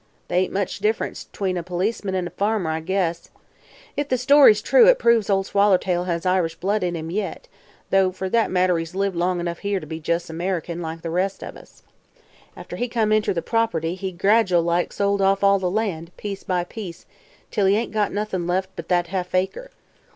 They ain't much difference 'tween a policeman an' a farmer, I guess. If the story's true, it proves Ol' Swallertail has Irish blood in him yit, though fer that matter he's lived here long enough to be jes' American, like the rest of us. After he come inter the property he gradual like sold off all the land, piece by piece, till he ain't got noth'n left but thet half acre.